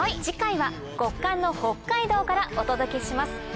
次回は極寒の北海道からお届けします